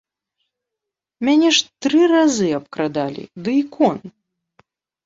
Мяне ж тры разы абкрадалі, да ікон!